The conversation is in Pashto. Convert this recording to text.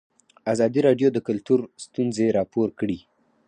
ازادي راډیو د کلتور ستونزې راپور کړي.